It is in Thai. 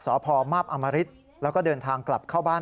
สพมาพอมริตแล้วก็เดินทางกลับเข้าบ้าน